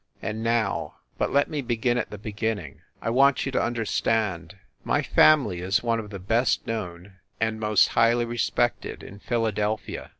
And now but let me begin at the beginning. I want you to understand. My family is one of the best known and most highly respected in Philadelphia.